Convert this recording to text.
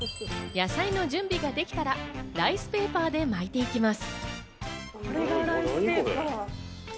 野菜の準備ができたらライスペーパーで巻いていきます。